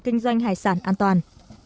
kinh doanh hải sản an toàn